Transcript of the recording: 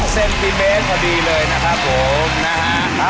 เซนติเมตรพอดีเลยนะครับผมนะฮะ